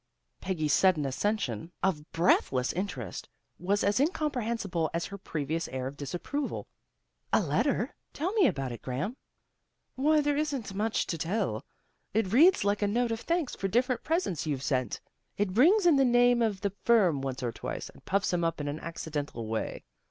Peggy's sudden accession of 194 THE GIRLS OF FRIENDLY TERRACE breathless interest was as incomprehensible as her previous air of disapproval. " A letter? Tell me about it, Graham." " Why, there isn't much to tell. It reads like a note of thanks for different presents you've sent. It brings in the name of the firm once or twice, and puffs 'em up in an accidental way.